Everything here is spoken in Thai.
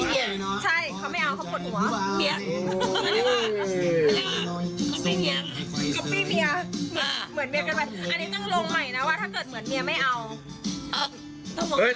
อันนี้ต้องลงใหม่นะว่าถ้าเกิดเหมือนเมียไม่เอา